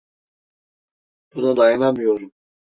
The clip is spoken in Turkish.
Buna dayanamıyorum.